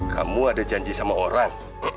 kamu ada janji sama orang